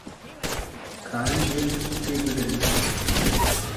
karin vê pirtûkê bigrin